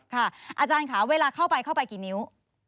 อาจารย์ค่ะเวลาเข้าไปเข้าไปกี่นิ้ว